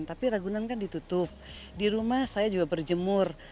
tapi ragunan kan ditutup di rumah saya juga berjemur